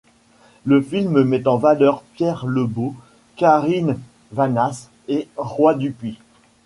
Le film met en valeur Pierre Lebeau, Karine Vanasse et Roy Dupuis.